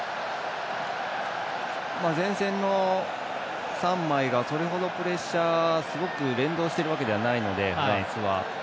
前線の３枚がそれほどプレッシャーすごく連動しているわけではないので、フランスは。